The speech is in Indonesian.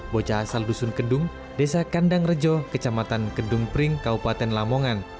bocah asal dusun kedung desa kandang rejo kecamatan kedung pring kabupaten lamongan